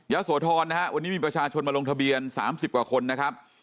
อย่าสวทรนะครับวันนี้มีประชาชนมาลงทะเบียนสามสิบกว่าคนนะครับ